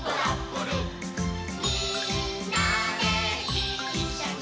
「みんなでいっしょに」